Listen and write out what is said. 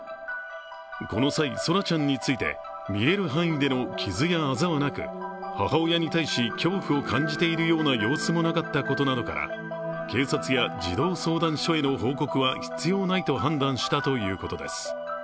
この際、奏良ちゃんについて見える範囲での傷やあざはなく母親に対し、恐怖を感じているような様子もなかったことなどから、警察は児童相談所への報告は必要ないと判断したということです。